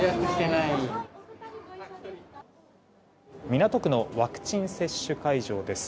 港区のワクチン接種会場です。